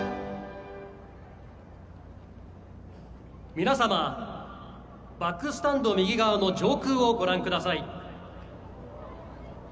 皆様、バックスタンド右側の上空をご覧ください。